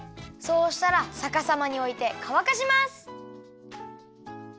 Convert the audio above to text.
そうしたらさかさまにおいてかわかします。